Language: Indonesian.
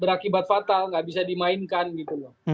berakibat fatal nggak bisa dimainkan gitu loh